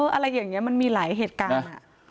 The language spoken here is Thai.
อะไรอย่างนี้มันมีหลายเหตุการณ์